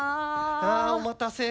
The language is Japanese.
あお待たせ。